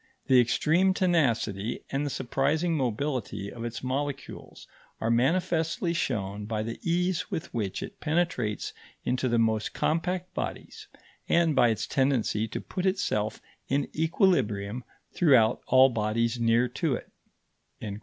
The extreme tenacity and the surprising mobility of its molecules are manifestly shown by the ease with which it penetrates into the most compact bodies and by its tendency to put itself in equilibrium throughout all bodies near to it."